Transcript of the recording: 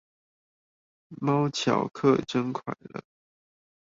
貓巧可真快樂